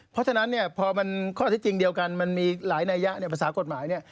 เพราะฉะนั้นเนี่ยพอมันข้อที่จริงเดียวกันมันมีหลายนัยยะเนี่ยภาษากฎหมายเนี่ย